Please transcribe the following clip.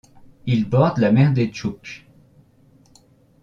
Il borde la mer des Tchouktches.